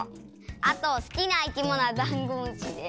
あとすきないきものはダンゴムシです。